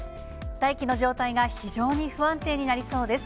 大気の状態が非常に不安定になりそうです。